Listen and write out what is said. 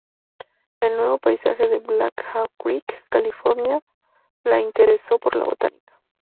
El nuevo paisaje de Black Hawk Creek, California, la interesó por la botánica.